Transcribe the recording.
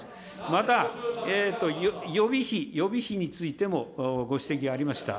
また、予備費についても、ご指摘ありました。